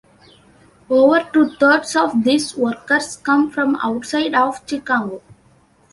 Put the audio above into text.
Over two thirds of these workers come from outside of Chicago.